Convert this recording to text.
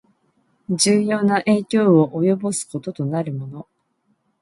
重要な影響を及ぼすこととなるもの